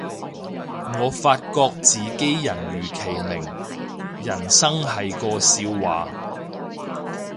我發覺自己人如其名，人生係個笑話